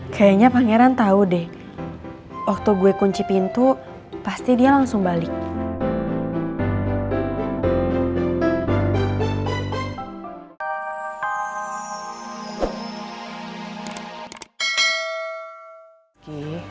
kayaknya pangeran tahu deh waktu gue kunci pintu pasti dia langsung balik